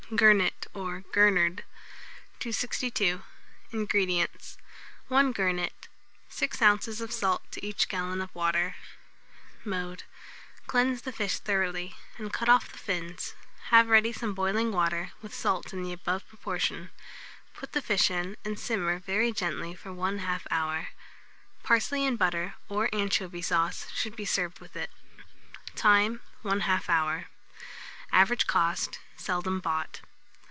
GURNET, or GURNARD. 262. INGREDIENTS. 1 gurnet, 6 oz. of salt to each gallon of water. Mode. Cleanse the fish thoroughly, and cut off the fins; have ready some boiling water, with salt in the above proportion; put the fish in, and simmer very gently for 1/2 hour. Parsley and butter, or anchovy sauce, should be served with it. Time. 1/2 hour. Average cost. Seldom bought.